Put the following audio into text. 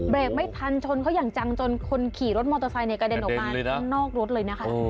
ไม่ทันชนเขาอย่างจังจนคนขี่รถมอเตอร์ไซค์กระเด็นออกมาข้างนอกรถเลยนะคะ